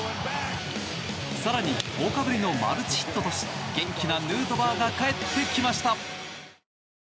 更に、１０日ぶりのマルチヒットとし元気なヌートバーが帰ってきました。